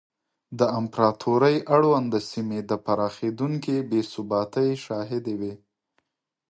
د امپراتورۍ اړونده سیمې د پراخېدونکې بې ثباتۍ شاهدې وې.